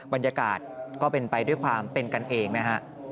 บรรยากาศก็เป็นไปด้วยความเป็นกันเองนะฮะ